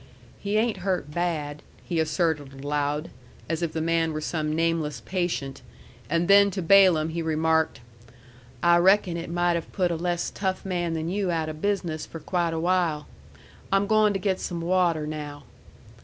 "He ain't hurt bad," he asserted aloud, as if the man were some nameless patient; and then to Balaam he remarked, "I reckon it might have put a less tough man than you out of business for quite a while. I'm goin' to get some water now."